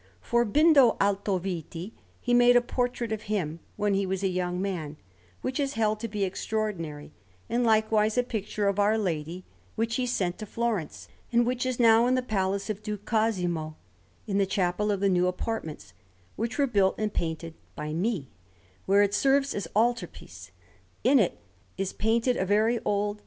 For Bindo Altoviti, he made a portrait of him when he was a young man, which is held to be extraordinary; and likewise a picture of Our Lady, which he sent to Florence, and which is now in the Palace of Duke Cosimo, in the chapel of the new apartments, which were built and painted by me, where it serves as altar piece. In it is painted a very old S.